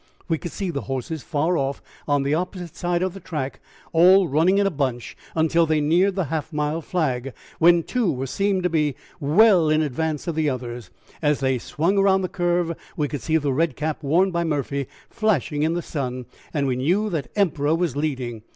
We could see the horses far off on the opposite side of the track all running in a bunch, until they neared the half mile flag, when two were seen to be well in advance of the others. As they swung round the curve we could see the red cap worn by Murphy flashing in the sun, and we knew that Emperor was leading.